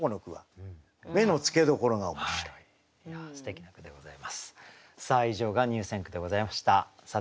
はい。